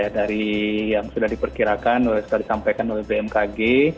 dari yang sudah diperkirakan sudah disampaikan oleh bmkg